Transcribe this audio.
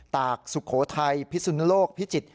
ตากสุโขทัยพิสุนโลกพิจิตร